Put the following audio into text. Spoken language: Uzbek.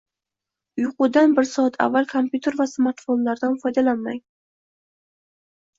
Uyqudan bir soat avval kompyuter va smartfondan foydalanmang